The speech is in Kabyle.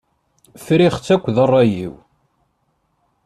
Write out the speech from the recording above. Friɣ-tt akked rray-iw.